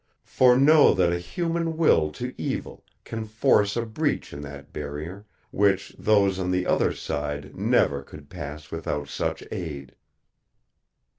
For know that a human will to evil can force a breach in that Barrier, which those on the other side never could pass without such aid."